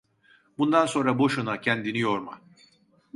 Bundan sonra boşuna kendini yorma…